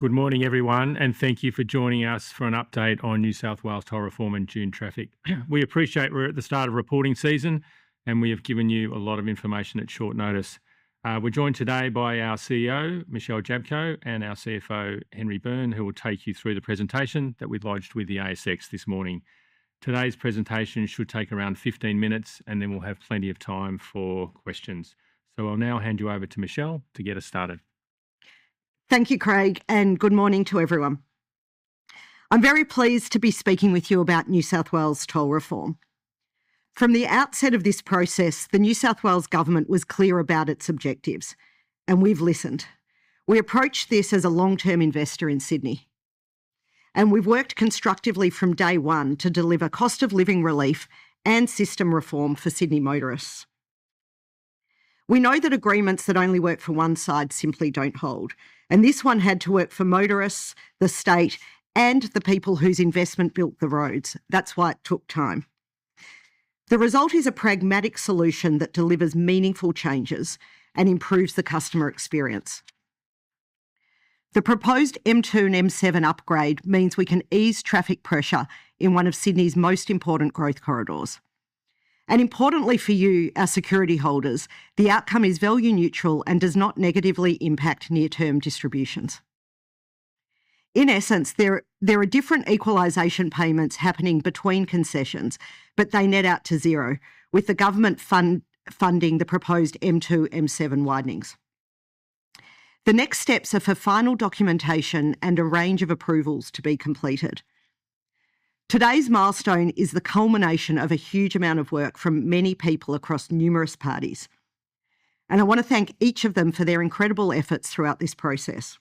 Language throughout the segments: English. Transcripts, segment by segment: Good morning, everyone, and thank you for joining us for an update on New South Wales toll reform and June traffic. We appreciate we're at the start of reporting season, and we have given you a lot of information at short notice. We're joined today by our CEO, Michelle Jablko, and our CFO, Henry Byrne, who will take you through the presentation that we lodged with the ASX this morning. Today's presentation should take around 15 minutes, and then we'll have plenty of time for questions. I'll now hand you over to Michelle to get us started. Thank you, Craig, and good morning to everyone. I'm very pleased to be speaking with you about New South Wales toll reform. From the outset of this process, the New South Wales Government was clear about its objectives, and we've listened. We approached this as a long-term investor in Sydney. We've worked constructively from day one to deliver cost-of-living relief and system reform for Sydney motorists. We know that agreements that only work for one side simply don't hold, and this one had to work for motorists, the state, and the people whose investment built the roads. That's why it took time. The result is a pragmatic solution that delivers meaningful changes and improves the customer experience. The proposed M2 and M7 upgrade means we can ease traffic pressure in one of Sydney's most important growth corridors. Importantly for you, our security holders, the outcome is value-neutral and does not negatively impact near-term distributions. In essence, there are different equalisation payments happening between concessions, but they net out to zero, with the government funding the proposed M2/M7 widenings. The next steps are for final documentation and a range of approvals to be completed. Today's milestone is the culmination of a huge amount of work from many people across numerous parties, and I want to thank each of them for their incredible efforts throughout this process.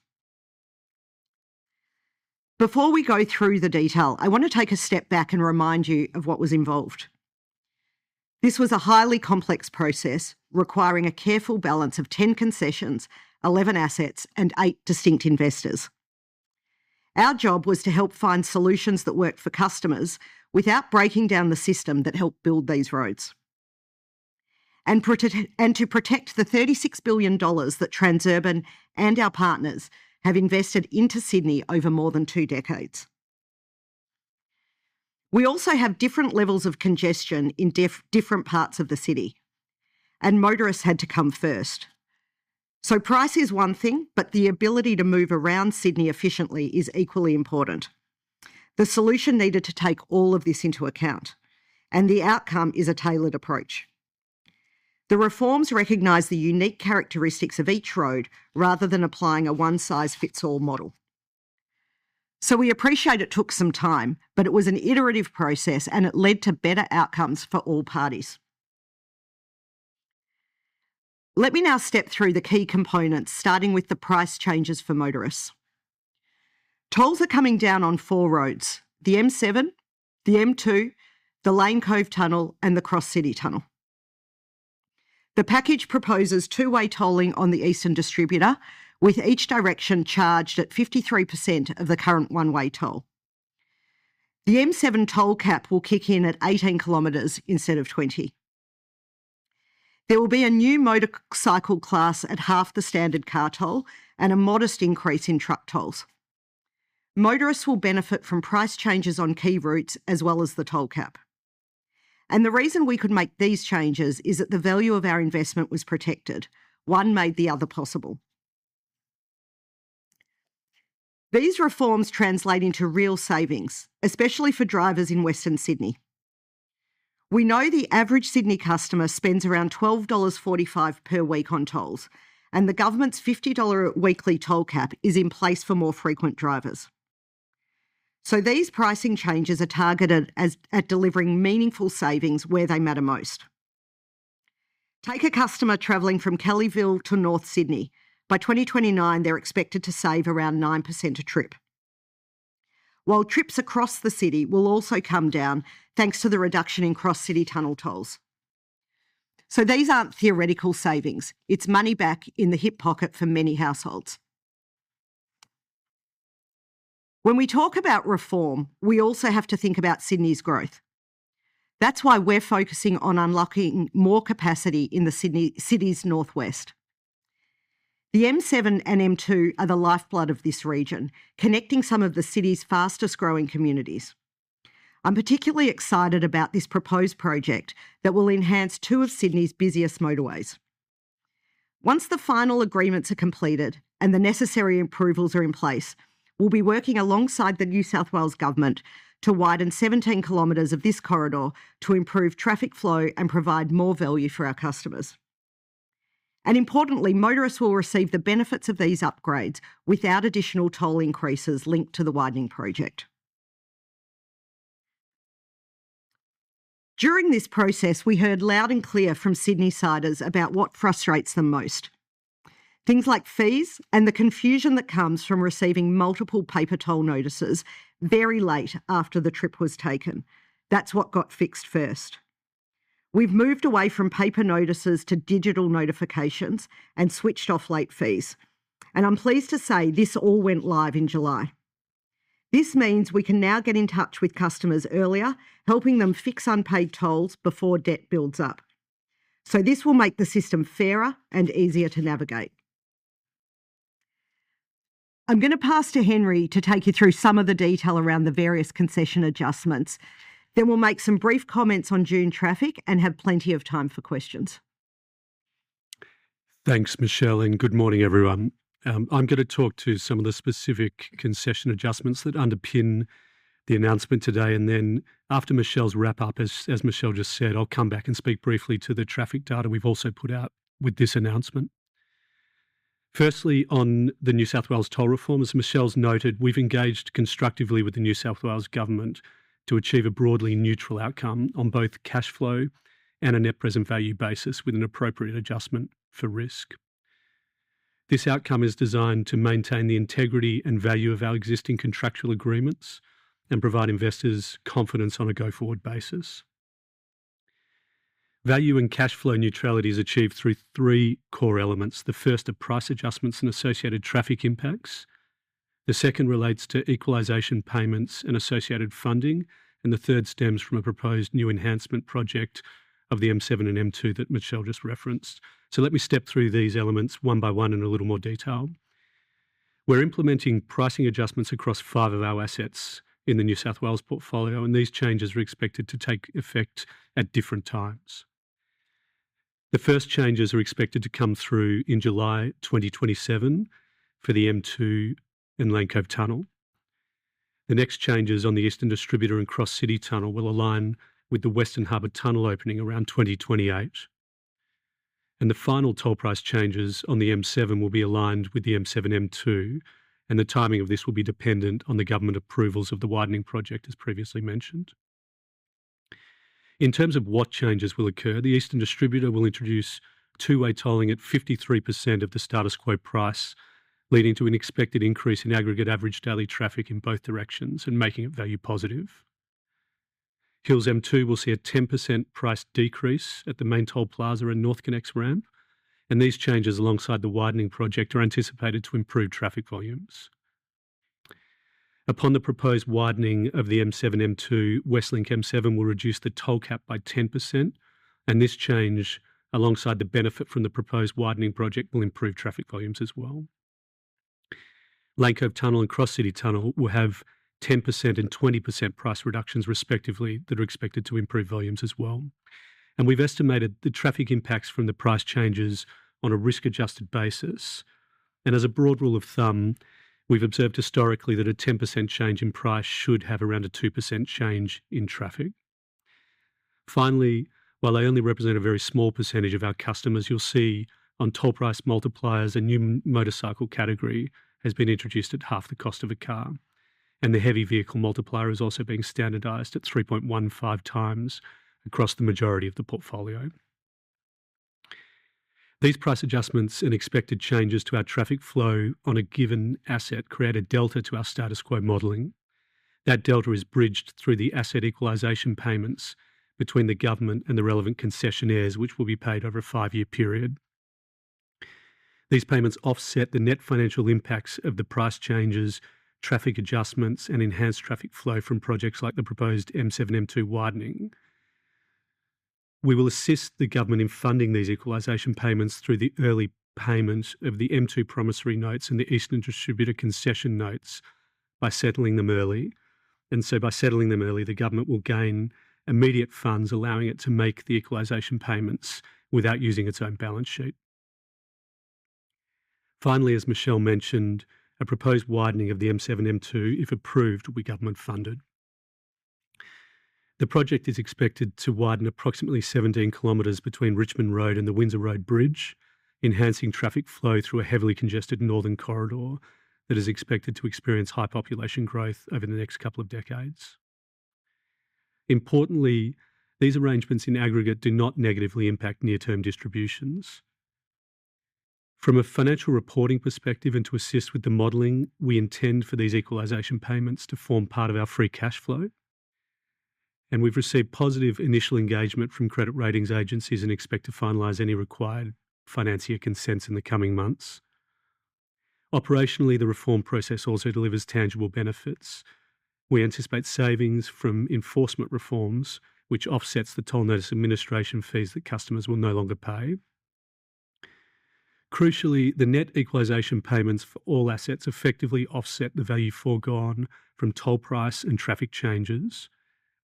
Before we go through the detail, I want to take a step back and remind you of what was involved. This was a highly complex process requiring a careful balance of 10 concessions, 11 assets, and eight distinct investors. Our job was to help find solutions that work for customers without breaking down the system that helped build these roads, and to protect the 36 billion dollars that Transurban and our partners have invested into Sydney over more than two decades. We also have different levels of congestion in different parts of the city, and motorists had to come first. Price is one thing, but the ability to move around Sydney efficiently is equally important. The solution needed to take all of this into account, and the outcome is a tailored approach. The reforms recognize the unique characteristics of each road rather than applying a one-size-fits-all model. We appreciate it took some time, but it was an iterative process, and it led to better outcomes for all parties. Let me now step through the key components, starting with the price changes for motorists. Tolls are coming down on four roads: the M7, the M2, the Lane Cove Tunnel, and the Cross City Tunnel. The package proposes two-way tolling on the Eastern Distributor, with each direction charged at 53% of the current one-way toll. The M7 toll cap will kick in at 18 km instead of 20 km. There will be a new motorcycle class at half the standard car toll and a modest increase in truck tolls. Motorists will benefit from price changes on key routes as well as the toll cap. The reason we could make these changes is that the value of our investment was protected. One made the other possible. These reforms translate into real savings, especially for drivers in Western Sydney. We know the average Sydney customer spends around 12.45 dollars per week on tolls, and the government's 50 dollar weekly toll cap is in place for more frequent drivers. These pricing changes are targeted at delivering meaningful savings where they matter most. Take a customer traveling from Kellyville to North Sydney. By 2029, they're expected to save around 9% a trip. While trips across the city will also come down, thanks to the reduction in Cross City Tunnel tolls. These aren't theoretical savings. It's money back in the hip pocket for many households. When we talk about reform, we also have to think about Sydney's growth. That's why we're focusing on unlocking more capacity in the city's northwest. The M7 and M2 are the lifeblood of this region, connecting some of the city's fastest-growing communities. I'm particularly excited about this proposed project that will enhance two of Sydney's busiest motorways. Once the final agreements are completed and the necessary approvals are in place, we'll be working alongside the New South Wales Government to widen 17 km of this corridor to improve traffic flow and provide more value for our customers. Importantly, motorists will receive the benefits of these upgrades without additional toll increases linked to the widening project. During this process, we heard loud and clear from Sydneysiders about what frustrates them most. Things like fees and the confusion that comes from receiving multiple paper toll notices very late after the trip was taken. That's what got fixed first. We've moved away from paper notices to digital notifications and switched off late fees. I'm pleased to say this all went live in July. This will make the system fairer and easier to navigate. I'm going to pass to Henry to take you through some of the detail around the various concession adjustments. We'll make some brief comments on June traffic and have plenty of time for questions. Thanks, Michelle, and good morning, everyone. I'm going to talk to some of the specific concession adjustments that underpin the announcement today, then after Michelle's wrap-up, as Michelle just said, I'll come back and speak briefly to the traffic data we've also put out with this announcement. Firstly, on the New South Wales toll reforms, Michelle's noted we've engaged constructively with the New South Wales Government to achieve a broadly neutral outcome on both cash flow and a net present value basis with an appropriate adjustment for risk. This outcome is designed to maintain the integrity and value of our existing contractual agreements and provide investors confidence on a go-forward basis. Value and cash flow neutrality is achieved through three core elements. The first are price adjustments and associated traffic impacts. The second relates to equalization payments and associated funding. The third stems from a proposed new enhancement project of the M7 and M2 that Michelle just referenced. Let me step through these elements one by one in a little more detail. We're implementing pricing adjustments across five of our assets in the New South Wales portfolio, and these changes are expected to take effect at different times. The first changes are expected to come through in July 2027 for the M2 and Lane Cove Tunnel. The next changes on the Eastern Distributor and Cross City Tunnel will align with the Western Harbour Tunnel opening around 2028. The final toll price changes on the M7 will be aligned with the M7/M2, and the timing of this will be dependent on the government approvals of the widening project, as previously mentioned. In terms of what changes will occur, the Eastern Distributor will introduce two-way tolling at 53% of the status quo price, leading to an expected increase in aggregate average daily traffic in both directions and making it value positive. Hills M2 will see a 10% price decrease at the main toll plaza and NorthConnex ramp, and these changes, alongside the widening project, are anticipated to improve traffic volumes. Upon the proposed widening of the M7/M2, Westlink M7 will reduce the toll cap by 10%. This change, alongside the benefit from the proposed widening project, will improve traffic volumes as well. Lane Cove Tunnel and Cross City Tunnel will have 10% and 20% price reductions respectively, that are expected to improve volumes as well. We've estimated the traffic impacts from the price changes on a risk-adjusted basis. As a broad rule of thumb, we've observed historically that a 10% change in price should have around a 2% change in traffic. Finally, while they only represent a very small percentage of our customers, you'll see on toll price multipliers, a new motorcycle category has been introduced at half the cost of a car. The heavy vehicle multiplier is also being standardized at 3.15 times across the majority of the portfolio. These price adjustments and expected changes to our traffic flow on a given asset create a delta to our status quo modeling. That delta is bridged through the asset equalization payments between the government and the relevant concessionaires, which will be paid over a five-year period. These payments offset the net financial impacts of the price changes, traffic adjustments, and enhanced traffic flow from projects like the proposed M7/M2 widening. We will assist the government in funding these equalisation payments through the early payment of the M2 Promissory Notes and the Eastern Distributor Concession Notes by settling them early. By settling them early, the government will gain immediate funds, allowing it to make the equalization payments without using its own balance sheet. Finally, as Michelle mentioned, a proposed widening of the M7/M2, if approved, will be government-funded. The project is expected to widen approximately 17 km between Richmond Road and the Windsor Road Bridge, enhancing traffic flow through a heavily congested northern corridor that is expected to experience high population growth over the next couple of decades. Importantly, these arrangements in aggregate do not negatively impact near-term distributions. From a financial reporting perspective and to assist with the modeling, we intend for these equalization payments to form part of our Free Cash Flow. We've received positive initial engagement from credit ratings agencies and expect to finalize any required financier consents in the coming months. Operationally, the reform process also delivers tangible benefits. We anticipate savings from enforcement reforms, which offsets the toll notice administration fees that customers will no longer pay. Crucially, the net equalization payments for all assets effectively offset the value forgone from toll price and traffic changes,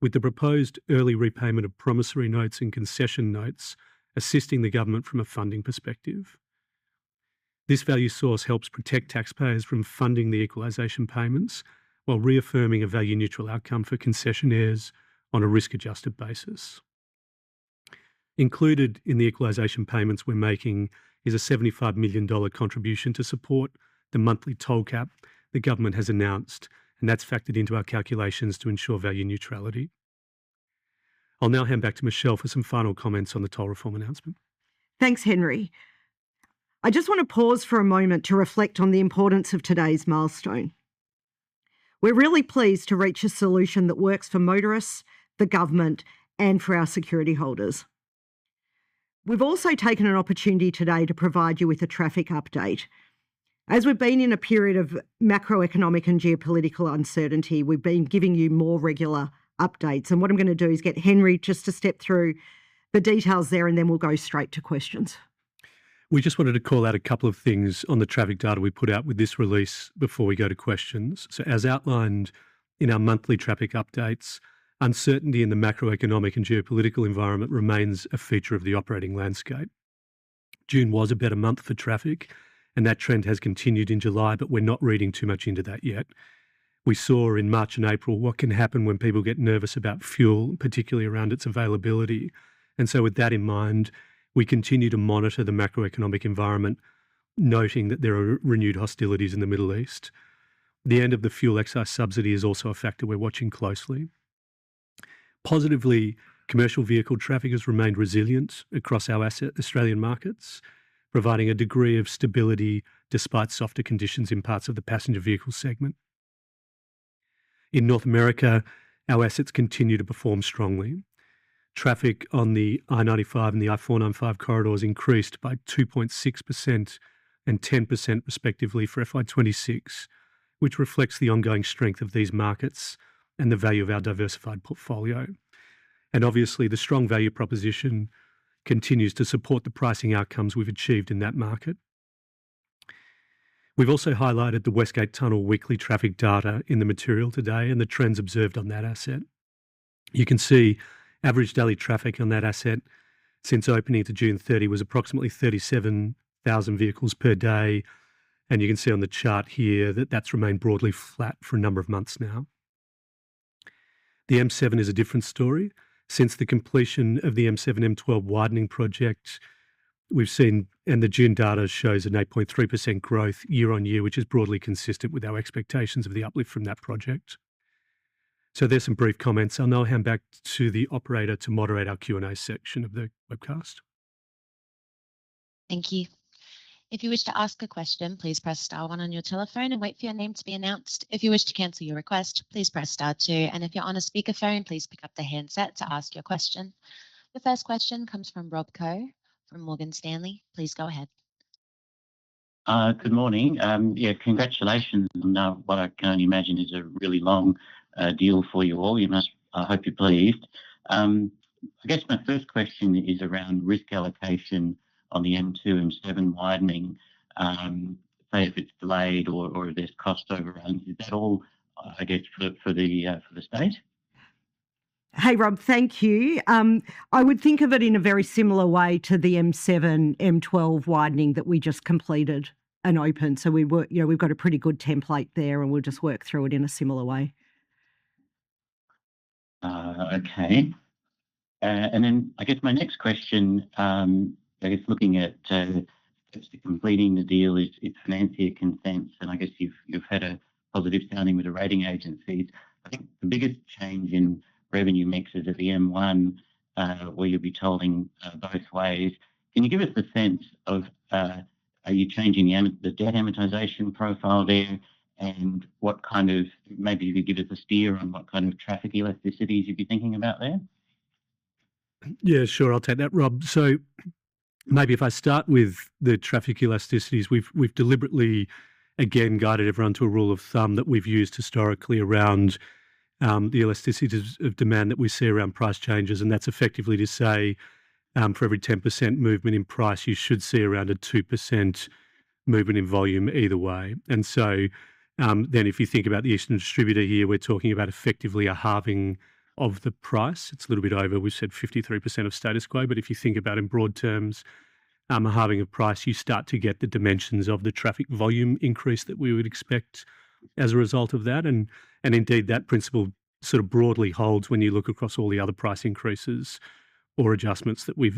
with the proposed early repayment of Promissory Notes and Concession Notes assisting the government from a funding perspective. This value source helps protect taxpayers from funding the equalization payments while reaffirming a value-neutral outcome for concessionaires on a risk-adjusted basis. Included in the equalization payments we're making is an 75 million dollar contribution to support the monthly toll cap the government has announced, and that's factored into our calculations to ensure value neutrality. I'll now hand back to Michelle for some final comments on the toll reform announcement. Thanks, Henry. I just want to pause for a moment to reflect on the importance of today's milestone. We're really pleased to reach a solution that works for motorists, the government, and for our security holders. We've also taken an opportunity today to provide you with a traffic update. As we've been in a period of macroeconomic and geopolitical uncertainty, we've been giving you more regular updates. What I'm going to do is get Henry just to step through the details there, then we'll go straight to questions. We just wanted to call out a couple of things on the traffic data we put out with this release before we go to questions. As outlined in our monthly traffic updates, uncertainty in the macroeconomic and geopolitical environment remains a feature of the operating landscape. June was a better month for traffic, that trend has continued in July, we're not reading too much into that yet. We saw in March and April what can happen when people get nervous about fuel, particularly around its availability. With that in mind, we continue to monitor the macroeconomic environment, noting that there are renewed hostilities in the Middle East. The end of the fuel excise subsidy is also a factor we're watching closely. Positively, commercial vehicle traffic has remained resilient across our Australian markets, providing a degree of stability despite softer conditions in parts of the passenger vehicle segment. In North America, our assets continue to perform strongly. Traffic on the I-95 and the I-495 corridors increased by 2.6% and 10% respectively for FY 2026, which reflects the ongoing strength of these markets and the value of our diversified portfolio. Obviously, the strong value proposition continues to support the pricing outcomes we've achieved in that market. We've also highlighted the West Gate Tunnel weekly traffic data in the material today and the trends observed on that asset. You can see average daily traffic on that asset since opening to June 30 was approximately 37,000 vehicles per day, you can see on the chart here that that's remained broadly flat for a number of months now. The M7 is a different story. Since the completion of the M7/M12 Widening Project, the June data shows an 8.3% growth year-on-year, which is broadly consistent with our expectations of the uplift from that project. They're some brief comments, I'll hand back to the operator to moderate our Q&A section of the webcast. Thank you. If you wish to ask a question, please press star one on your telephone and wait for your name to be announced. If you wish to cancel your request, please press star two, if you're on a speakerphone, please pick up the handset to ask your question. The first question comes from Rob Koh from Morgan Stanley. Please go ahead. Good morning. Yeah, congratulations on what I can only imagine is a really long deal for you all. I hope you're pleased. I guess my first question is around risk allocation on the M2 and M7 widening. Say if it's delayed or there's cost overruns, is that all, I guess for the state? Hey, Rob. Thank you. I would think of it in a very similar way to the M7/M12 widening that we just completed and opened. We've got a pretty good template there, and we'll just work through it in a similar way. Okay. I guess my next question, I guess looking at just completing the deal is financier consents, and I guess you've had a positive sounding with the rating agencies. I think the biggest change in revenue mixes at the M1, where you'll be tolling both ways. Can you give us a sense of are you changing the debt amortization profile there? Maybe you could give us a steer on what kind of traffic elasticities you'd be thinking about there? Yeah, sure. I'll take that, Rob. Maybe if I start with the traffic elasticities. We've deliberately, again, guided everyone to a rule of thumb that we've used historically around the elasticity of demand that we see around price changes, and that's effectively to say for every 10% movement in price, you should see around a 2% movement in volume either way. If you think about the Eastern Distributor here, we're talking about effectively a halving of the price. It's a little bit over, we said 53% of status quo. If you think about in broad terms, a halving of price, you start to get the dimensions of the traffic volume increase that we would expect as a result of that. Indeed, that principle sort of broadly holds when you look across all the other price increases or adjustments that we've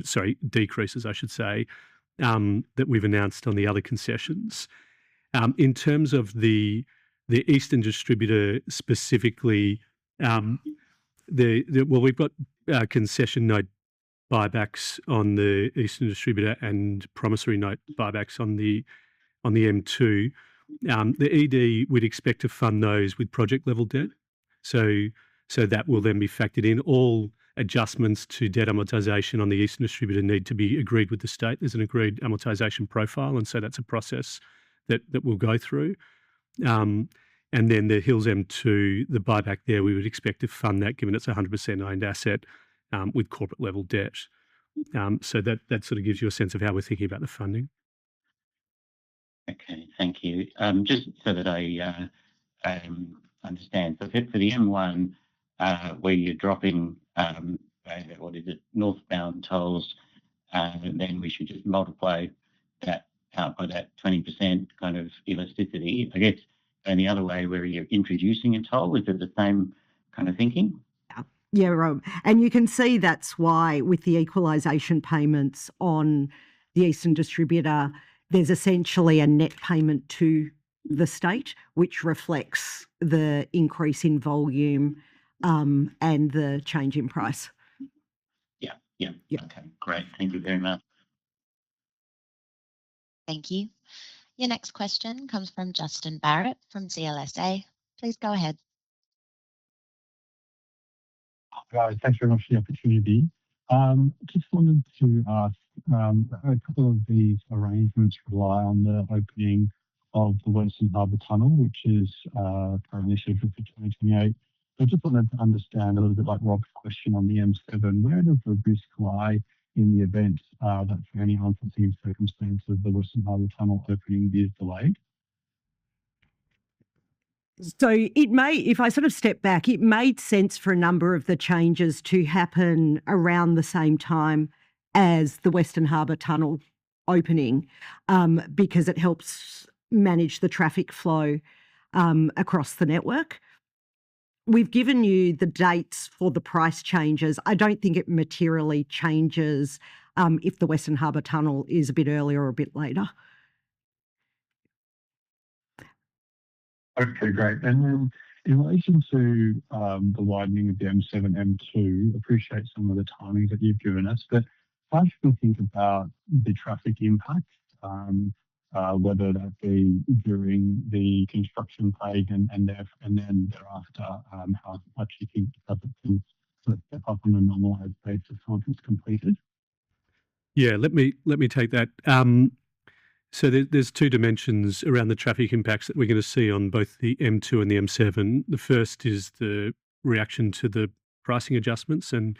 announced on the other concessions. In terms of the Eastern Distributor specifically, well, we've got Concession Notes buybacks on the Eastern Distributor and Promissory Notes buybacks on the M2. The ED, we'd expect to fund those with project-level debt. That will then be factored in. All adjustments to debt amortization on the Eastern Distributor need to be agreed with the state. There's an agreed amortization profile, that's a process that we'll go through. Then the Hills M2, the buyback there, we would expect to fund that, given it's 100% owned asset, with corporate-level debt. That sort of gives you a sense of how we're thinking about the funding. Okay. Thank you. Just so that I understand. For the M1, where you're dropping, what is it, northbound tolls, then we should just multiply that out by that 20% kind of elasticity, I guess. The other way, where you're introducing a toll, is it the same kind of thinking? Yeah. Rob. You can see that's why with the equalization payments on the Eastern Distributor, there's essentially a net payment to the state, which reflects the increase in volume, and the change in price. Yeah. Okay. Great. Thank you very much. Thank you. Your next question comes from Justin Barratt from CLSA. Please go ahead. Hi. Thanks very much for the opportunity. Just wanted to ask, I heard a couple of the arrangements rely on the opening of the Western Harbour Tunnel, which is currently scheduled for 2028. I just wanted to understand a little bit like Rob's question on the M7, where does the risks lie in the event that for any unforeseen circumstances, the Western Harbour Tunnel opening is delayed? If I sort of step back, it made sense for a number of the changes to happen around the same time as the Western Harbour Tunnel opening, because it helps manage the traffic flow across the network. We've given you the dates for the price changes. I don't think it materially changes if the Western Harbour Tunnel is a bit earlier or a bit later. Okay, great. In relation to the widening of the M7/M2, appreciate some of the timings that you've given us, how do you think about the traffic impact? Whether that be during the construction phase and then thereafter, how much do you think that the things sort of step up on a normalized basis once it's completed? Yeah. Let me take that. There's two dimensions around the traffic impacts that we're going to see on both the M2 and the M7. The first is the reaction to the pricing adjustments, and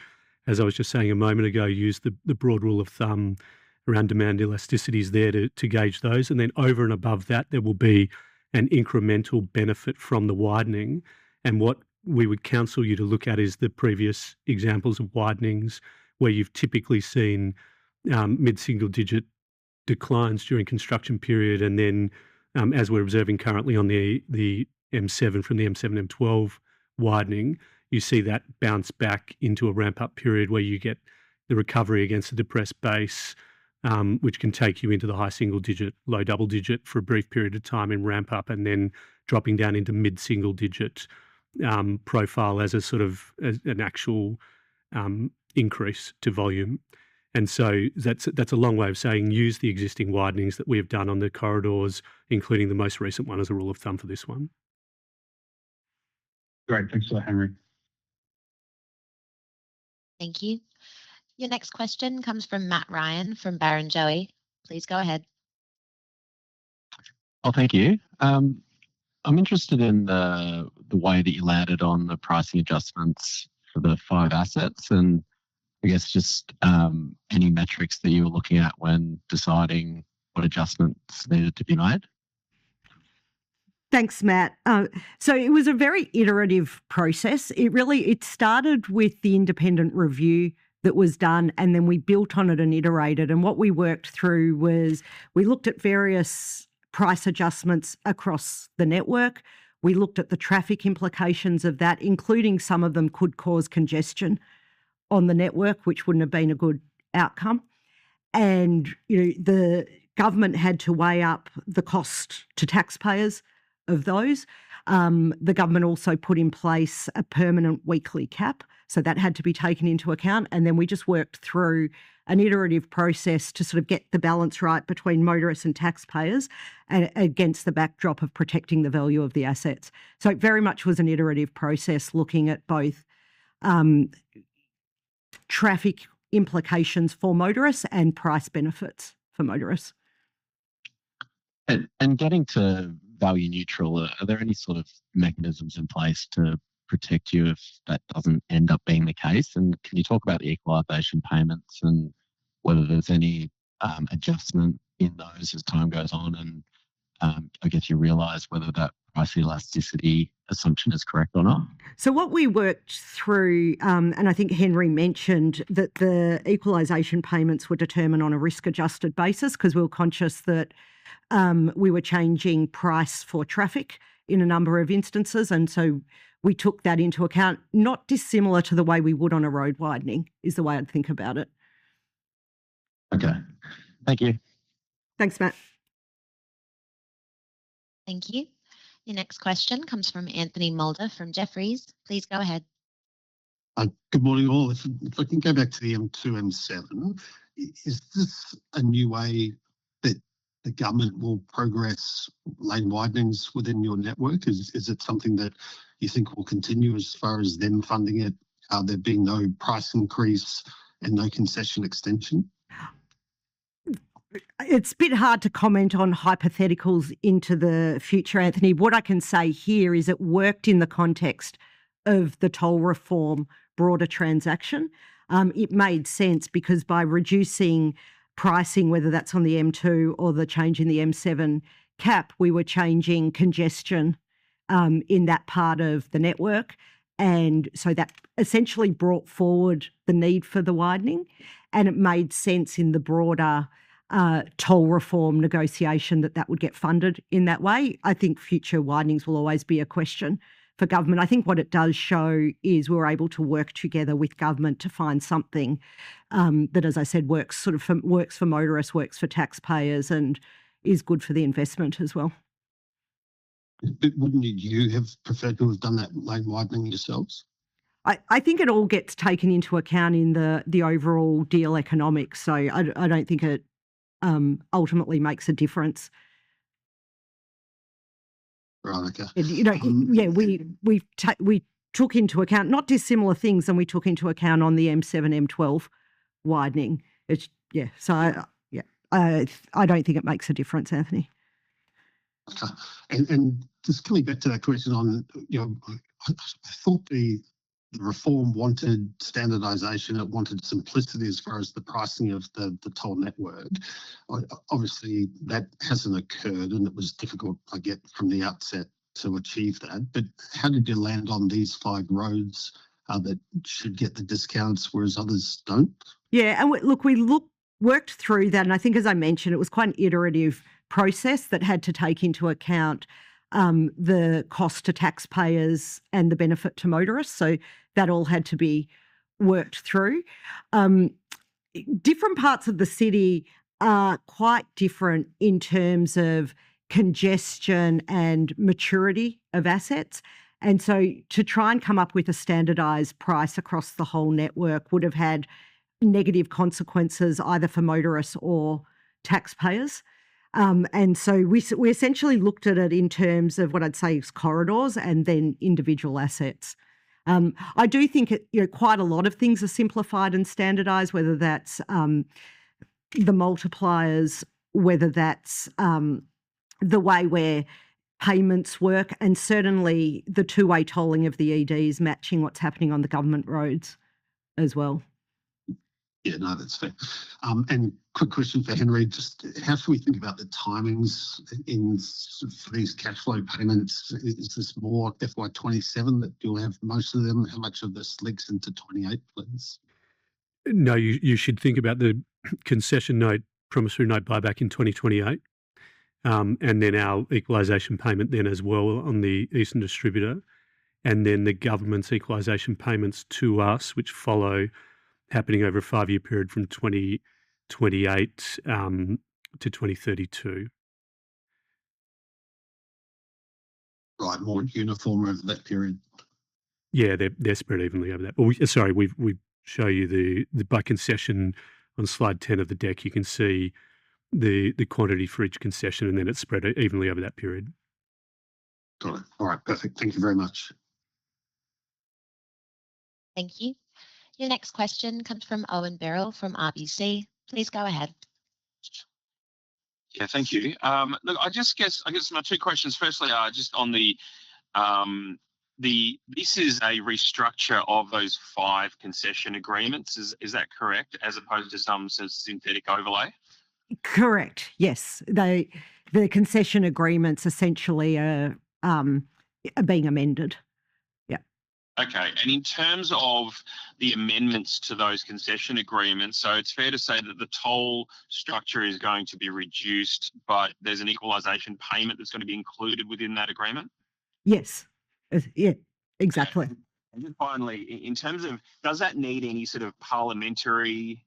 as I was just saying a moment ago, use the broad rule of thumb around demand elasticity is there to gauge those, and then over and above that, there will be an incremental benefit from the widening. What we would counsel you to look at is the previous examples of widenings where you've typically seen mid-single-digit declines during construction period, and then, as we're observing currently on the M7 from the M7/M12 widening, you see that bounce back into a ramp-up period where you get the recovery against the depressed base, which can take you into the high-single-digit, low-double-digit for a brief period of time in ramp-up, and then dropping down into mid-single-digit profile as a sort of an actual increase to volume. That's a long way of saying use the existing widenings that we have done on the corridors, including the most recent one, as a rule of thumb for this one. Great. Thanks a lot, Henry. Thank you. Your next question comes from Matt Ryan from Barrenjoey. Please go ahead. Oh, thank you. I am interested in the way that you layered on the pricing adjustments for the five assets, and I guess just any metrics that you were looking at when deciding what adjustments needed to be made. Thanks, Matt. It was a very iterative process. It started with the independent review that was done, then we built on it and iterated. What we worked through was we looked at various price adjustments across the network. We looked at the traffic implications of that, including some of them could cause congestion on the network, which would not have been a good outcome. The government had to weigh up the cost to taxpayers of those. The government also put in place a permanent weekly cap. That had to be taken into account, then we just worked through an iterative process to sort of get the balance right between motorists and taxpayers against the backdrop of protecting the value of the assets. It very much was an iterative process, looking at both traffic implications for motorists and price benefits for motorists. Getting to value-neutral, are there any sort of mechanisms in place to protect you if that does not end up being the case? Can you talk about the equalization payments and whether there is any adjustment in those as time goes on and, I guess, you realize whether that price elasticity assumption is correct or not? What we worked through, I think Henry mentioned that the equalization payments were determined on a risk-adjusted basis because we were conscious that we were changing price for traffic in a number of instances, so we took that into account, not dissimilar to the way we would on a road widening, is the way I would think about it. Okay. Thank you. Thanks, Matt. Thank you. Your next question comes from Anthony Moulder from Jefferies. Please go ahead. Good morning, all. If I can go back to the M2/M7, is this a new way that the government will progress lane widenings within your network? Is it something that you think will continue as far as them funding it? There being no price increase and no concession extension? It's a bit hard to comment on hypotheticals into the future, Anthony. What I can say here is it worked in the context of the toll reform broader transaction. It made sense because by reducing pricing, whether that's on the M2 or the change in the M7 cap, we were changing congestion in that part of the network. That essentially brought forward the need for the widening, it made sense in the broader toll reform negotiation that that would get funded in that way. I think future widenings will always be a question for government. I think what it does show is we're able to work together with government to find something that, as I said, works for motorists, works for taxpayers, and is good for the investment as well. Wouldn't you have preferred to have done that lane widening yourselves? I think it all gets taken into account in the overall deal economics, I don't think it ultimately makes a difference. Yeah. We took into account not dissimilar things than we took into account on the M7/M12 widening. I don't think it makes a difference, Anthony. Okay. Just coming back to that question on, I thought the reform wanted standardization, it wanted simplicity as far as the pricing of the toll network. Obviously, that hasn't occurred, and it was difficult, I get, from the outset to achieve that. How did you land on these five roads that should get the discounts, whereas others don't? Yeah. Look, we worked through that, and I think as I mentioned, it was quite an iterative process that had to take into account the cost to taxpayers and the benefit to motorists. That all had to be worked through. Different parts of the city are quite different in terms of congestion and maturity of assets, to try and come up with a standardized price across the whole network would've had negative consequences either for motorists or taxpayers. We essentially looked at it in terms of what I'd say as corridors and then individual assets. I do think quite a lot of things are simplified and standardized, whether that's the multipliers, whether that's the way where payments work, and certainly the two-way tolling of the EDs matching what's happening on the government roads as well. Yeah. No, that's fair. Quick question for Henry. Just how should we think about the timings for these cash flow payments? Is this more FY 2027 that you'll have most of them? How much of this leaks into 2028, please? No, you should think about the concession note, promissory note buyback in 2028. Our equalization payment then as well on the Eastern Distributor, the government's equalization payments to us, which follow happening over a five-year period from 2028 to 2032. Right. More uniform over that period. They're spread evenly over that. Sorry. We show you by concession on slide 10 of the deck, you can see the quantity for each concession, and then it's spread evenly over that period. Got it. All right. Perfect. Thank you very much. Thank you. Your next question comes from Owen Birrell from RBC. Please go ahead. Yeah, thank you. Look, I guess my two questions firstly are just on this is a restructure of those five concession agreements. Is that correct? As opposed to some synthetic overlay. Correct. Yes. The concession agreements essentially are being amended. Yep. Okay. In terms of the amendments to those concession agreements, it's fair to say that the toll structure is going to be reduced, but there's an equalization payment that's going to be included within that agreement? Yes. Exactly. Finally, in terms of does that need any sort of parliamentary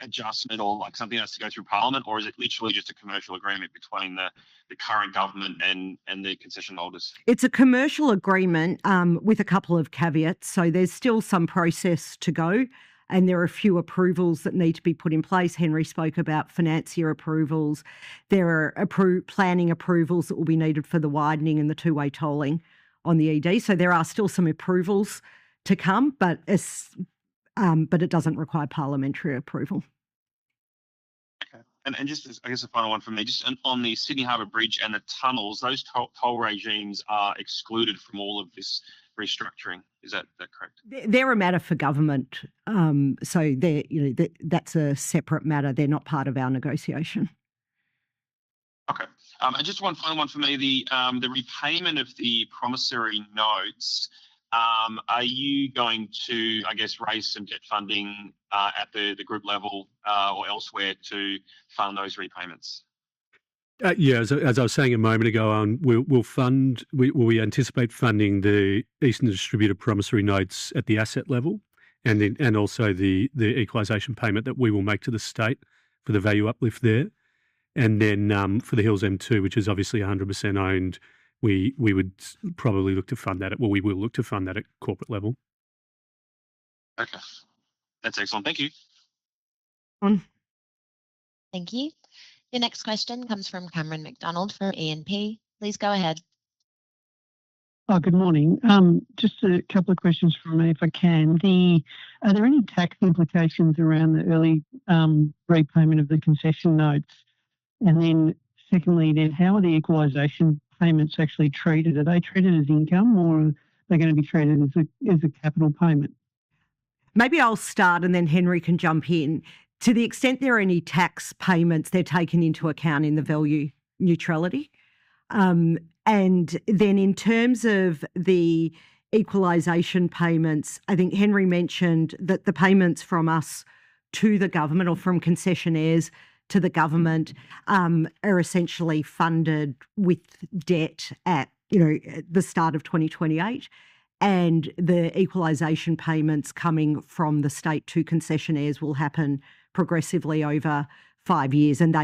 adjustment or something that has to go through parliament, or is it literally just a commercial agreement between the current government and the concession holders? It's a commercial agreement with a couple of caveats. There's still some process to go, and there are a few approvals that need to be put in place. Henry spoke about financier approvals. There are planning approvals that will be needed for the widening and the two-way tolling on the ED. There are still some approvals to come, but it doesn't require parliamentary approval. Okay. Just I guess a final one from me. Just on the Sydney Harbour Bridge and the tunnels, those toll regimes are excluded from all of this restructuring. Is that correct? They're a matter for government. That's a separate matter. They're not part of our negotiation. Okay. Just one final one from me. The repayment of the Promissory Notes, are you going to, I guess, raise some debt funding at the group level, or elsewhere to fund those repayments? Yeah. As I was saying a moment ago, Owen, we anticipate funding the Eastern Distributor promissory notes at the asset level and also the equalization payment that we will make to the state for the value uplift there. Then for the Hills M2, which is obviously 100% owned, we will look to fund that at corporate level. Okay. That's excellent. Thank you. Thank you. Your next question comes from Cameron McDonald from E&P. Please go ahead. Good morning. Just a couple of questions from me, if I can. Are there any tax implications around the early repayment of the concession notes? Secondly, how are the equalization payments actually treated? Are they treated as income, or are they going to be treated as a capital payment? Maybe I'll start and then Henry can jump in. To the extent there are any tax payments, they're taken into account in the value neutrality. In terms of the equalization payments, I think Henry mentioned that the payments from us to the government or from concessionaires to the government are essentially funded with debt at the start of 2028. The equalization payments coming from the state to concessionaires will happen progressively over five years, and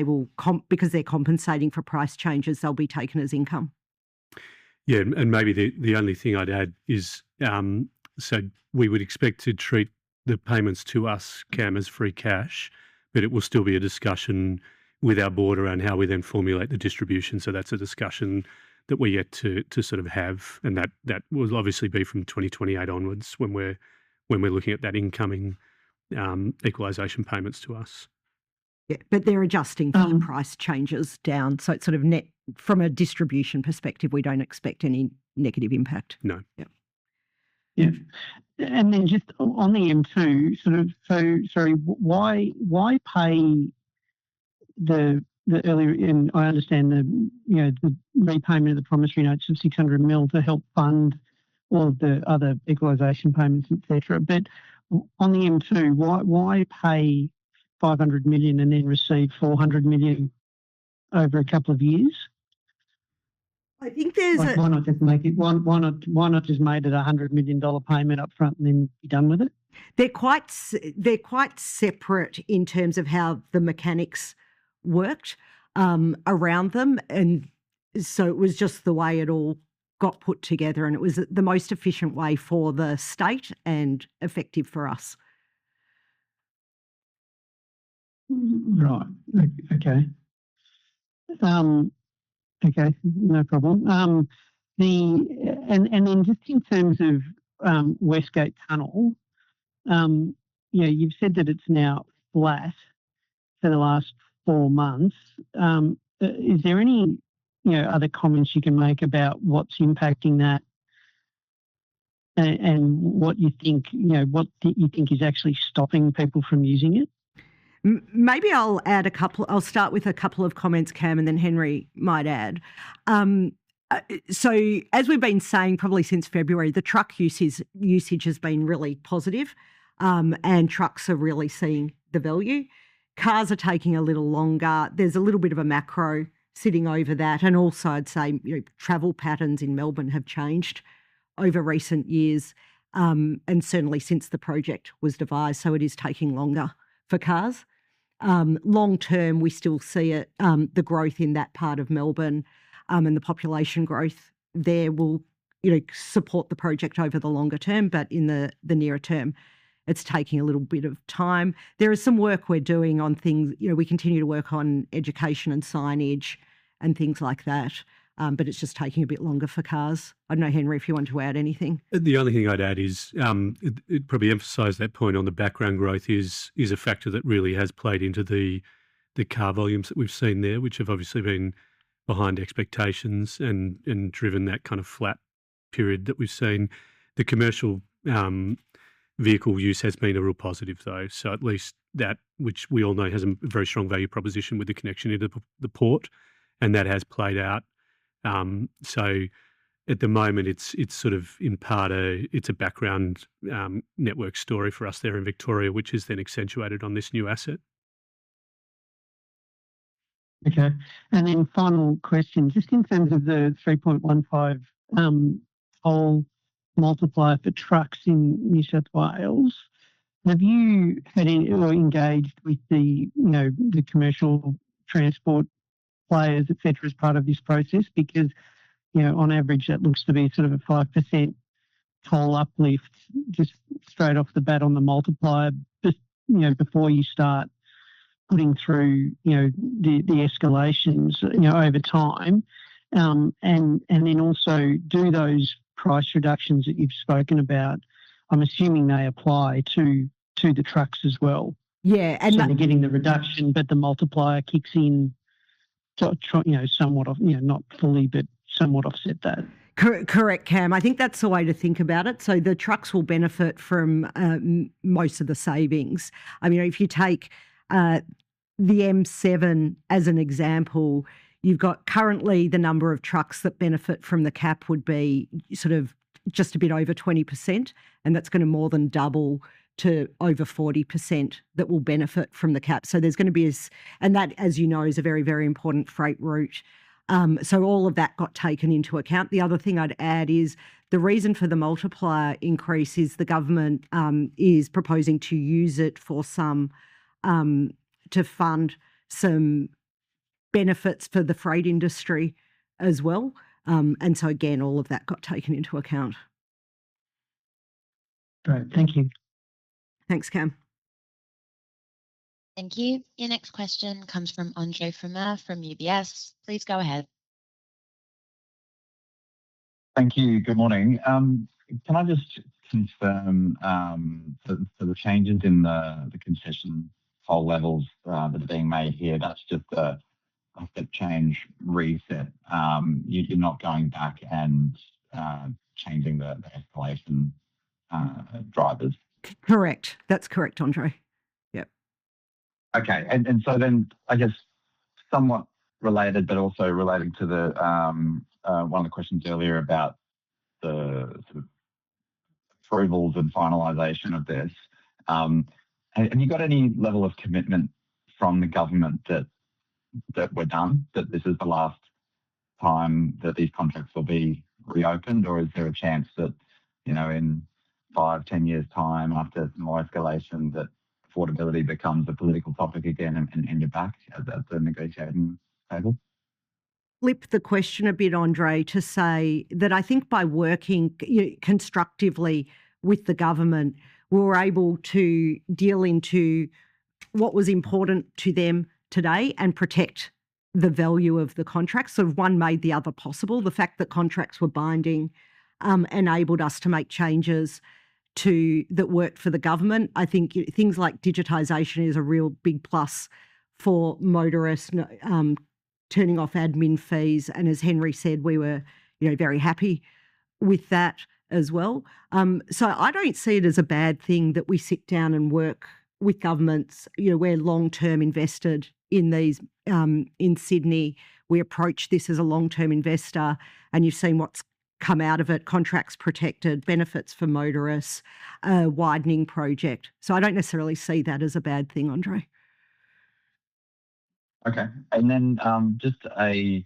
because they're compensating for price changes, they'll be taken as income. Maybe the only thing I'd add is, we would expect to treat the payments to us, Cam, as free cash, but it will still be a discussion with our board around how we then formulate the distribution. That's a discussion that we're yet to sort of have, and that will obviously be from 2028 onwards when we're looking at that incoming equalization payments to us. Yeah. They're adjusting for the price changes down. It's sort of net from a distribution perspective, we don't expect any negative impact. No. Yeah. Yeah. Just on the M2, sorry, why pay the earlier? I understand the repayment of the Promissory Notes of 600 million to help fund all of the other equalization payments, et cetera. On the M2, why pay 500 million and then receive 400 million over a couple of years? I think there's a. Why not just made it a 100 million dollar payment up front and then be done with it? They're quite separate in terms of how the mechanics worked around them, it was just the way it all got put together, it was the most efficient way for the state and effective for us. Right. Okay. No problem. Just in terms of West Gate Tunnel, you've said that it's now flat for the last four months. Is there any other comments you can make about what's impacting that and what you think is actually stopping people from using it? Maybe I'll add a couple. I'll start with a couple of comments, Cam, Henry might add. As we've been saying probably since February, the truck usage has been really positive. Trucks are really seeing the value. Cars are taking a little longer. There's a little bit of a macro sitting over that. Also I'd say travel patterns in Melbourne have changed over recent years, and certainly since the project was devised. It is taking longer for cars. Long term, we still see the growth in that part of Melbourne, and the population growth there will support the project over the longer term, but in the nearer term, it's taking a little bit of time. There is some work we're doing on things. We continue to work on education and signage and things like that. It's just taking a bit longer for cars. I don't know, Henry, if you want to add anything. The only thing I'd add is, probably emphasize that point on the background growth is a factor that really has played into the car volumes that we've seen there, which have obviously been behind expectations and driven that kind of flat period that we've seen. The commercial vehicle use has been a real positive though, at least that, which we all know has a very strong value proposition with the connection into the port, and that has played out. At the moment, it's sort of in part a, it's a background network story for us there in Victoria, which is then accentuated on this new asset. Okay. Final question, just in terms of the 3.15 toll multiplier for trucks in New South Wales, have you had any or engaged with the commercial transport players, et cetera, as part of this process? On average, that looks to be sort of a 5% toll uplift just straight off the bat on the multiplier, before you start putting through the escalations over time. Also do those price reductions that you've spoken about, I'm assuming they apply to the trucks as well. Yeah. Sort of getting the reduction, but the multiplier kicks in somewhat, not fully, but somewhat offset that. Correct, Cam. I think that's the way to think about it. The trucks will benefit from most of the savings. If you take the M7 as an example, you've got currently the number of trucks that benefit from the cap would be sort of just a bit over 20%, and that's going to more than double to over 40% that will benefit from the cap. That, as you know, is a very, very important freight route. All of that got taken into account. The other thing I'd add is the reason for the multiplier increase is the government is proposing to use it for some, to fund some benefits for the freight industry as well. Again, all of that got taken into account. Great. Thank you. Thanks, Cam. Thank you. Your next question comes from Andre Fromyhr from UBS. Please go ahead. Thank you. Good morning. Can I just confirm for the changes in the concession toll levels that are being made here, that's just a step change reset. You're not going back and changing the escalation drivers? Correct. That's correct, Andre. Yep. I guess somewhat related, but also relating to one of the questions earlier about the sort of approvals and finalization of this. Have you got any level of commitment from the government that we're done, that this is the last time that these contracts will be reopened, or is there a chance that in five, 10 years' time after some more escalation that affordability becomes a political topic again and you're back at the negotiating table? Flip the question a bit, Andre, to say that I think by working constructively with the government, we were able to deal into what was important to them today and protect the value of the contract. One made the other possible. The fact that contracts were binding enabled us to make changes that worked for the government. I think things like digitization is a real big plus for motorists. Turning off admin fees and as Henry said, we were very happy with that as well. I don't see it as a bad thing that we sit down and work with governments. We're long-term invested in Sydney. We approach this as a long-term investor, and you've seen what's come out of it. Contracts protected, benefits for motorists, a widening project. I don't necessarily see that as a bad thing, Andre. Just a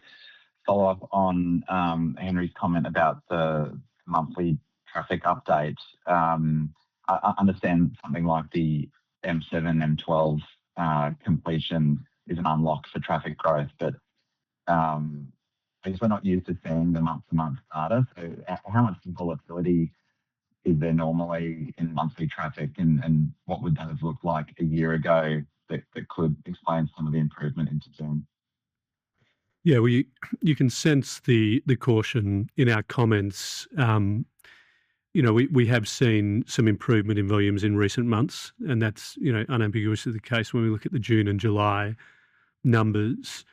follow-up on Henry's comment about the monthly traffic update. I understand something like the M7/M12 completion is an unlock for traffic growth, but at least we're not used to seeing the month-to-month data. How much volatility is there normally in monthly traffic, and what would that have looked like a year ago that could explain some of the improvement into June? Yeah. Well, you can sense the caution in our comments. We have seen some improvement in volumes in recent months, that's unambiguously the case when we look at the June and July numbers.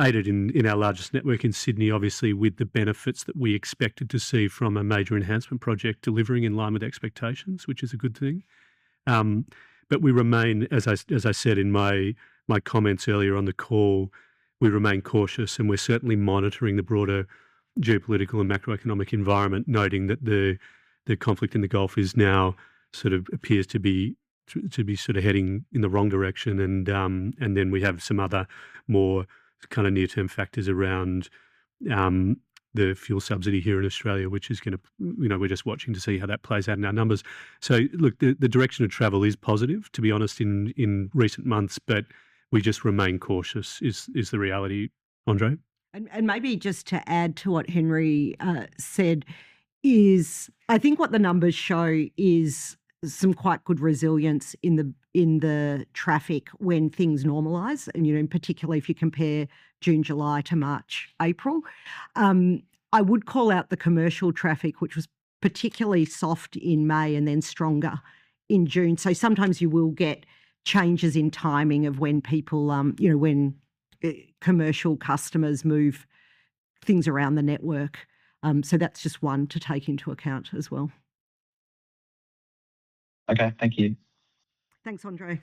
Aided in our largest network in Sydney, obviously, with the benefits that we expected to see from a major enhancement project delivering in line with expectations, which is a good thing. We remain, as I said in my comments earlier on the call, we remain cautious, and we're certainly monitoring the broader geopolitical and macroeconomic environment, noting that the conflict in the Gulf now sort of appears to be heading in the wrong direction. We have some other more kind of near-term factors around the fuel subsidy here in Australia, which we're just watching to see how that plays out in our numbers. Look, the direction of travel is positive, to be honest, in recent months, we just remain cautious is the reality, Andre. Maybe just to add to what Henry said is I think what the numbers show is some quite good resilience in the traffic when things normalize, particularly if you compare June, July to March, April. I would call out the commercial traffic, which was particularly soft in May then stronger in June. Sometimes you will get changes in timing of when commercial customers move things around the network. That's just one to take into account as well. Okay. Thank you. Thanks, Andre.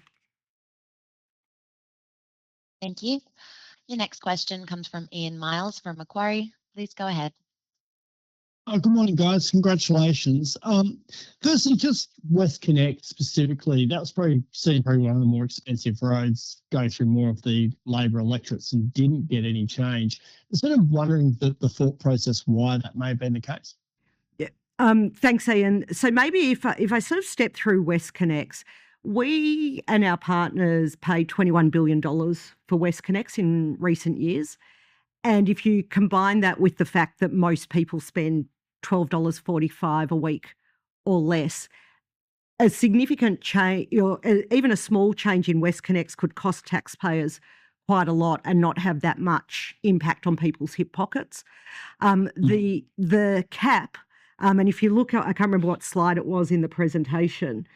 Thank you. Your next question comes from Ian Myles from Macquarie. Please go ahead. Good morning, guys. Congratulations. Firstly, WestConnex specifically, that was probably seen probably one of the more expensive roads going through more of the Labor electorates and didn't get any change. Kind of wondering the thought process why that may have been the case. Thanks, Ian. Maybe if I sort of step through WestConnex. We and our partners paid 21 billion dollars for WestConnex in recent years, and if you combine that with the fact that most people spend 12.45 dollars a week or less, even a small change in WestConnex could cost taxpayers quite a lot and not have that much impact on people's hip pockets. The cap, if you look at, I can't remember what slide it was in the presentation,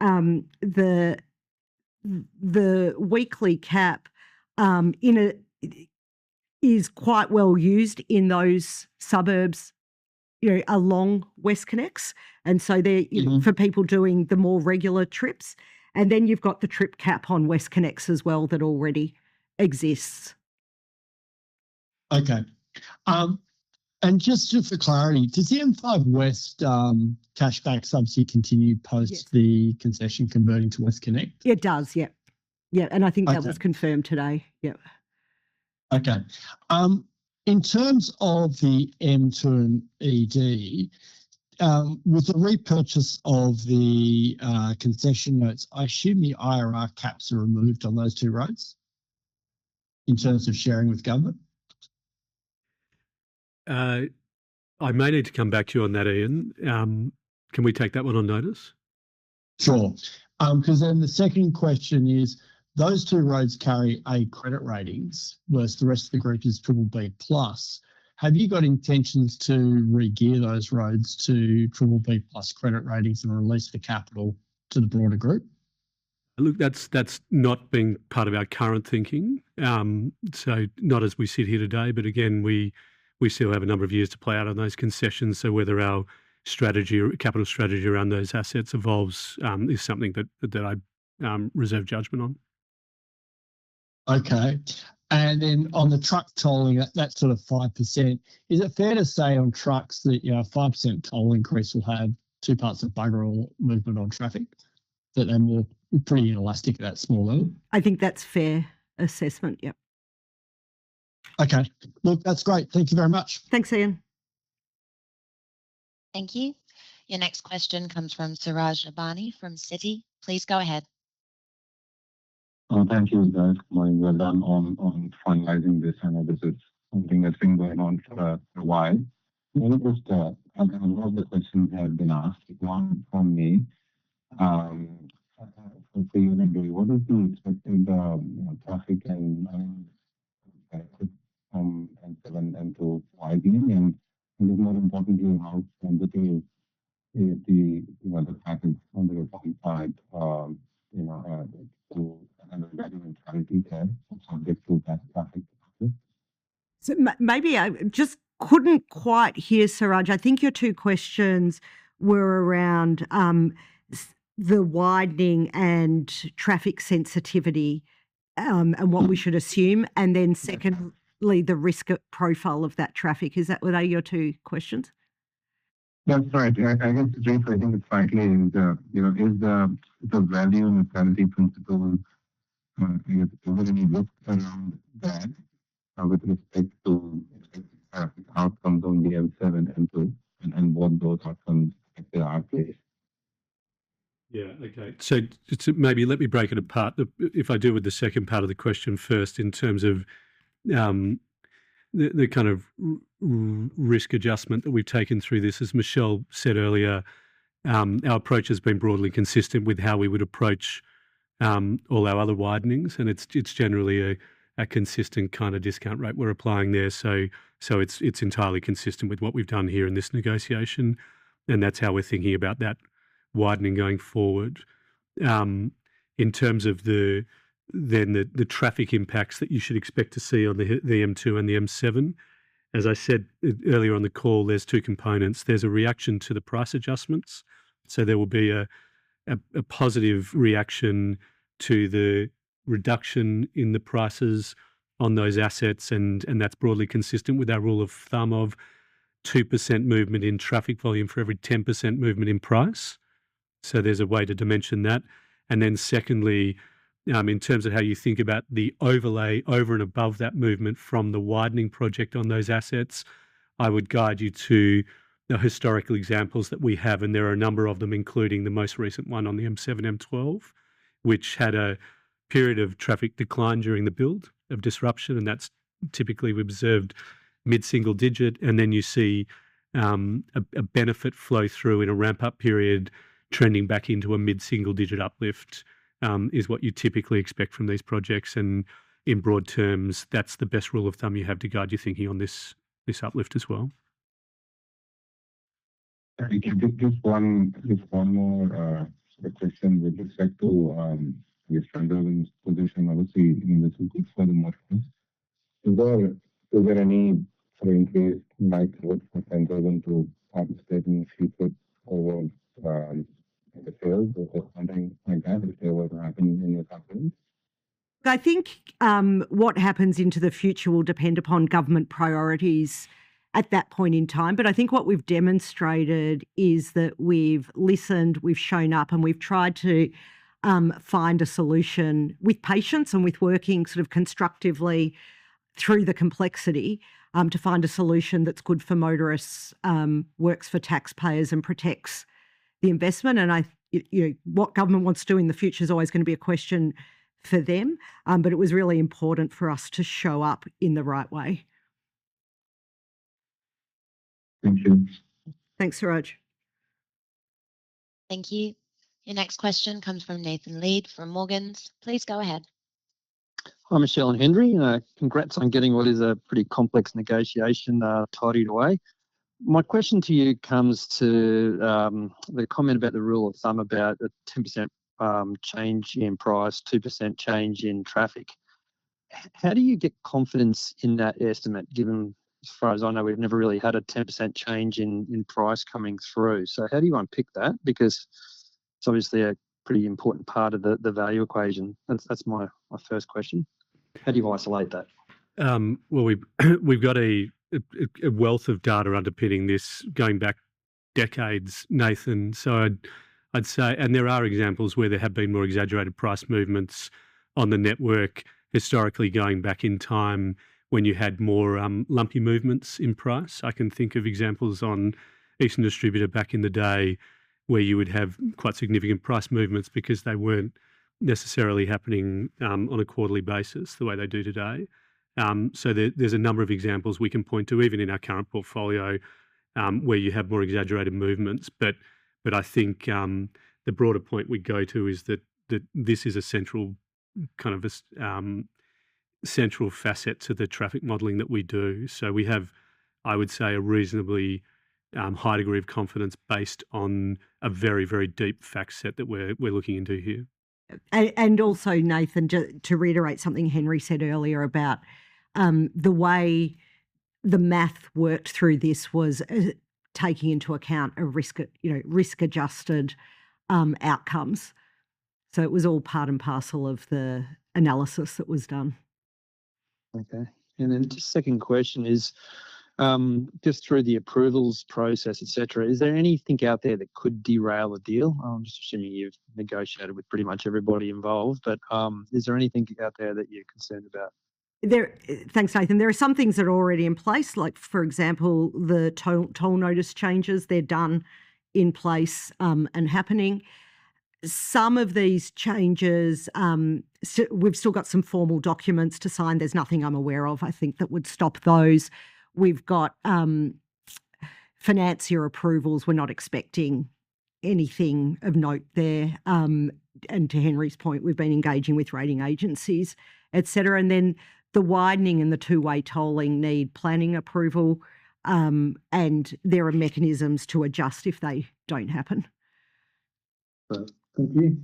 the weekly cap is quite well used in those suburbs along WestConnex. For people doing the more regular trips. You've got the trip cap on WestConnex as well that already exists. Okay. Just for clarity, does the M5 South-West Cashback Scheme continue post- Yes the concession converting to WestConnex? It does, yeah. Yeah. Okay. I think that was confirmed today. Yeah. Okay. In terms of the M2 and ED, with the repurchase of the Concession Notes, I assume the IRR caps are removed on those two roads in terms of sharing with government? I may need to come back to you on that, Ian. Can we take that one on notice? Sure. The second question is, those two roads carry A credit ratings, whereas the rest of the group is BBB+. Have you got intentions to regear those roads to BBB+ credit ratings and release the capital to the broader group? Look, that's not been part of our current thinking. Not as we sit here today, but again, we still have a number of years to play out on those concessions. Whether our capital strategy around those assets evolves is something that I reserve judgment on. Okay. On the truck tolling, that sort of 5%, is it fair to say on trucks that a 5% toll increase will have two parts of bugger-all movement on traffic? That they're more pretty inelastic at that small level? I think that's fair assessment, yep. Okay. Look, that's great. Thank you very much. Thanks, Ian. Thank you. Your next question comes from Suraj Nebhani from Citi. Please go ahead. Thank you guys. Well done on finalizing this. I know this is something that's been going on for a while. A lot of the questions have been asked, but one from me for you, Henry. What is the expected traffic and volumes from M7 and to widening? Maybe more importantly, how sensitive is the package on the Transurban side to another value integrity test should there be two bad traffic accidents? Maybe I just couldn't quite hear, Suraj. I think your two questions were around the widening and traffic sensitivity and what we should assume. Secondly, the risk profile of that traffic. Were they your two questions? That's right. I guess briefly, I think it's frankly is the value and integrity principles, is there any risk around that with respect to traffic outcomes on the M7 and M2 and what those outcomes actually are, please? Yeah. Okay. Maybe let me break it apart. If I deal with the second part of the question first in terms of the kind of risk-adjustment that we've taken through this. As Michelle said earlier, our approach has been broadly consistent with how we would approach all our other widenings, and it's generally a consistent kind of discount rate we're applying there. It's entirely consistent with what we've done here in this negotiation, and that's how we're thinking about that widening going forward. In terms of then the traffic impacts that you should expect to see on the M2 and the M7, as I said earlier on the call, there's two components. There's a reaction to the price adjustments. There will be a positive reaction to the reduction in the prices on those assets, and that's broadly consistent with our rule of thumb of 2% movement in traffic volume for every 10% movement in price. There's a weighted dimension there. Secondly, in terms of how you think about the overlay over and above that movement from the widening project on those assets, I would guide you to the historical examples that we have, and there are a number of them, including the most recent one on the M7/M12, which had a period of traffic decline during the build of disruption, and that's typically we observed mid-single-digit. You see a benefit flow through in a ramp-up period trending back into a mid-single-digit uplift, is what you typically expect from these projects. In broad terms, that's the best rule of thumb you have to guide your thinking on this uplift as well. Thank you. Just one more sort of question with respect to Transurban's position, obviously in this it's good for the motorists. Is there any sort of increased likelihood for Transurban to participate in the future of, in the build or funding like that if there was to happen in the future? I think what happens into the future will depend upon government priorities at that point in time. I think what we've demonstrated is that we've listened, we've shown up, and we've tried to find a solution with patience and with working sort of constructively through the complexity to find a solution that's good for motorists, works for taxpayers, and protects the investment. What government wants to do in the future is always going to be a question for them, but it was really important for us to show up in the right way. Thank you. Thanks, Suraj. Thank you. Your next question comes from Nathan Lead from Morgans. Please go ahead. Hi, Michelle and Henry. Congrats on getting what is a pretty complex negotiation tidied away. My question to you comes to the comment about the rule of thumb about a 10% change in price, 2% change in traffic. How do you get confidence in that estimate, given as far as I know, we've never really had a 10% change in price coming through? How do you unpick that? Because it's obviously a pretty important part of the value equation. That's my first question. How do you isolate that? We've got a wealth of data underpinning this going back decades, Nathan. There are examples where there have been more exaggerated price movements on the network historically going back in time when you had more lumpy movements in price. I can think of examples on Eastern Distributor back in the day where you would have quite significant price movements because they weren't necessarily happening on a quarterly basis the way they do today. There's a number of examples we can point to even in our current portfolio where you have more exaggerated movements. I think the broader point we go to is that this is a central facet to the traffic modeling that we do. We have, I would say, a reasonably high degree of confidence based on a very, very deep fact set that we're looking into here. Nathan, just to reiterate something Henry said earlier about the way the math worked through this was taking into account risk-adjusted outcomes. It was all part and parcel of the analysis that was done. Okay. Just second question is just through the approvals process, et cetera, is there anything out there that could derail a deal? I'm just assuming you've negotiated with pretty much everybody involved, is there anything out there that you're concerned about? Thanks, Nathan. There are some things that are already in place, like for example, the toll notice changes. They're done in place and happening. Some of these changes, we've still got some formal documents to sign. There's nothing I'm aware of, I think, that would stop those. We've got financier approvals. We're not expecting anything of note there. To Henry's point, we've been engaging with rating agencies, et cetera. The widening and the two-way tolling need planning approval, and there are mechanisms to adjust if they don't happen. Thank you.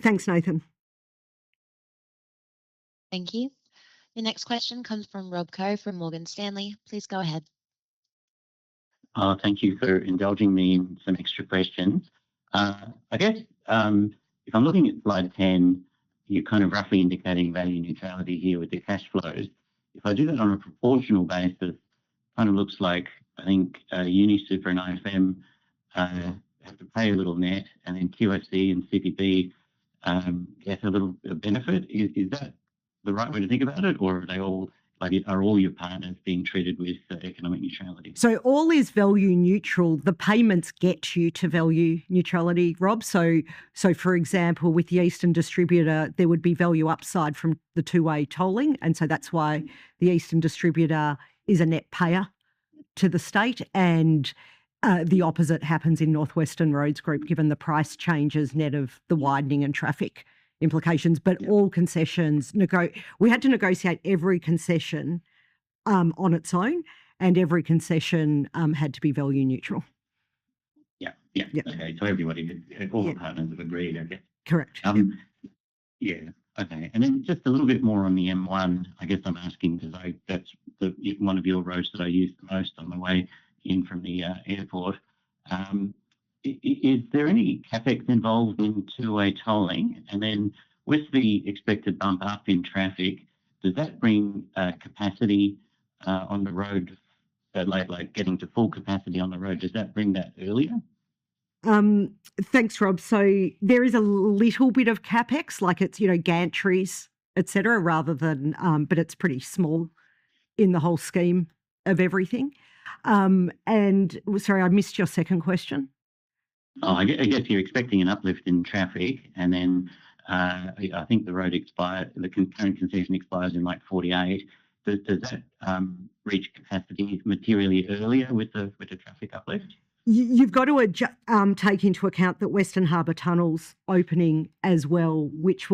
Thanks, Nathan. Thank you. The next question comes from Rob Koh from Morgan Stanley. Please go ahead. Thank you for indulging me in some extra questions. I guess, if I'm looking at slide 10, you're roughly indicating value neutrality here with your cash flows. If I do that on a proportional basis, kind of looks like, I think, UniSuper and IFM have to pay a little net, and then QIC and CPP get a little bit of benefit. Is that the right way to think about it, or are all your partners being treated with economic neutrality? All is value-neutral. The payments get you to value neutrality, Rob. For example, with the Eastern Distributor, there would be value upside from the two-way tolling, and so that's why the Eastern Distributor is a net payer to the state. The opposite happens in Northwestern Roads Group, given the price changes net of the widening and traffic implications. All concessions we had to negotiate every concession on its own, and every concession had to be value-neutral. Yeah. Yeah. Okay. Everybody, all the partners have agreed, I guess. Correct. Yeah. Okay. Just a little bit more on the M1. I guess I am asking because that is one of your roads that I use the most on my way in from the airport. Is there any CapEx involved in two-way tolling? Then with the expected bump up in traffic, does that bring capacity on the road, like getting to full capacity on the road, does that bring that earlier? Thanks, Rob. There is a little bit of CapEx, it is gantries, et cetera. It is pretty small in the whole scheme of everything. Sorry, I missed your second question. I guess you are expecting an uplift in traffic, then, I think the road expires, the current concession expires in like 2048. Does that reach capacity materially earlier with the traffic uplift? You've got to take into account that Western Harbour Tunnel's opening as well, which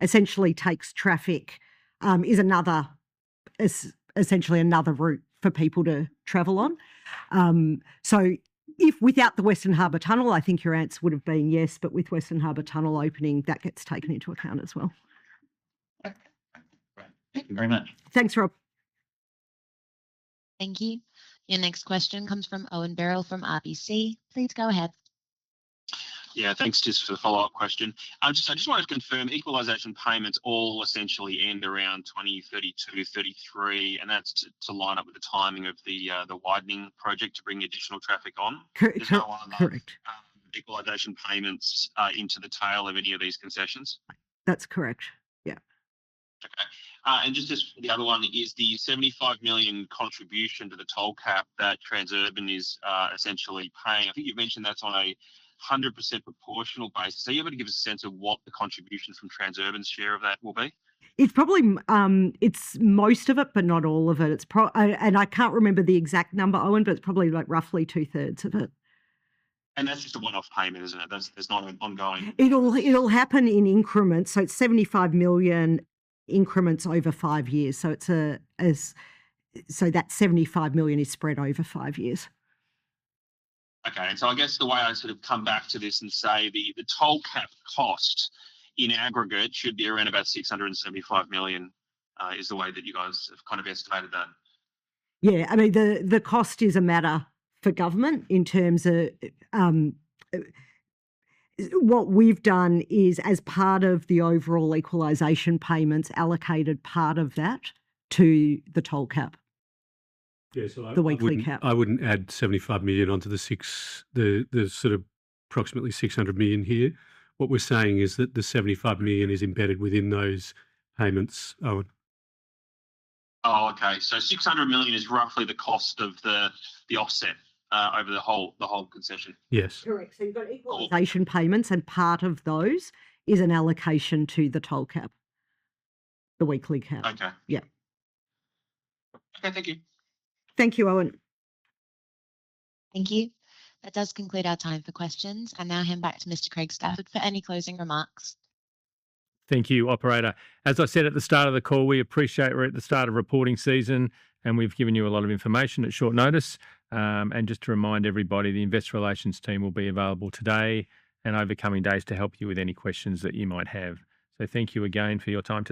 essentially takes traffic, is essentially another route for people to travel on. Without the Western Harbour Tunnel, I think your answer would've been yes. With Western Harbour Tunnel opening, that gets taken into account as well. Okay. Great. Thank you very much. Thanks, Rob. Thank you. Your next question comes from Owen Birrell from RBC. Please go ahead. Yeah. Thanks. Just for the follow-up question. I just wanted to confirm equalization payments all essentially end around 2032, 2033, and that's to line up with the timing of the widening project to bring additional traffic on. Correct. There's no other- Correct equalization payments into the tail of any of these concessions. That's correct. Yeah. Okay. Just as the other one is the 75 million contribution to the toll cap that Transurban is essentially paying. I think you've mentioned that's on a 100% proportional basis. Are you able to give us a sense of what the contribution from Transurban's share of that will be? It's most of it, but not all of it. I can't remember the exact number, Owen, but it's probably roughly 2/3 of it. That's just a one-off payment, isn't it? There's not an ongoing one? It'll happen in increments. It's 75 million increments over five years. That 75 million is spread over five years. I guess the way I sort of come back to this and say the toll cap cost in aggregate should be around about 675 million, is the way that you guys have kind of estimated that. Yeah. I mean, the cost is a matter for government in terms of. What we've done is, as part of the overall equalization payments, allocated part of that to the toll cap. Yeah. I wouldn't- The weekly cap add 75 million onto the approximately 600 million here. What we're saying is that the 75 million is embedded within those payments, Owen. Okay. 600 million is roughly the cost of the offset over the whole concession. Yes. Correct. You've got equalization payments and part of those is an allocation to the toll cap, the weekly cap. Okay. Yeah. Okay. Thank you. Thank you, Owen. Thank you. That does conclude our time for questions. I now hand back to Mr. Craig Stafford for any closing remarks. Thank you, operator. As I said at the start of the call, we appreciate we are at the start of reporting season and we have given you a lot of information at short notice. Just to remind everybody, the investor relations team will be available today and over coming days to help you with any questions that you might have. Thank you again for your time.